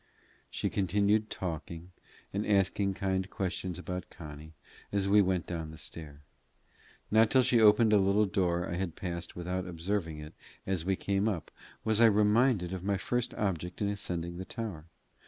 She continued talking and asking kind questions about Connie as we went down the stair. Not till she opened a little door I had passed without observing it as we came up, was I reminded of my first object in ascending the tower.